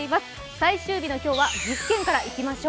最終日の今日は岐阜県からいきましょう。